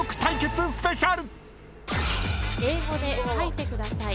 ［英語で書いてください］